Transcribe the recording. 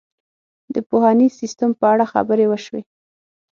د پوهنیز سیستم په اړه خبرې وشوې.